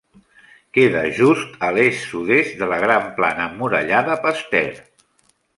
Queda just a l'est-sud-est de la gran plana emmurallada Pasteur.